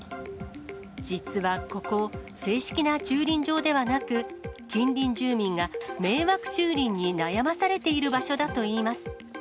実はここ、正式な駐輪場ではなく、近隣住民が迷惑駐輪に悩まされている場所だといいます。